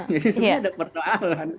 jadi sebenarnya ada perdoalan